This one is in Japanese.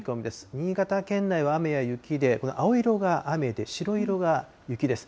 新潟県内は雨や雪で、この青色が雨で、白色が雪です。